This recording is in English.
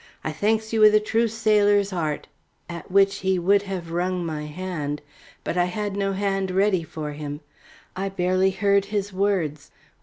I thanks you with a true sailor's 'eart "; at which he would have wrung my hand. But I had no hand ready for him; I barely heard his words.